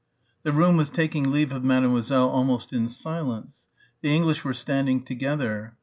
The room was taking leave of Mademoiselle almost in silence. The English were standing together.